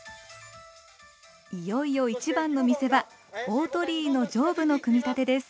いよいよ一番の見せ場大鳥居の上部の組み立てです。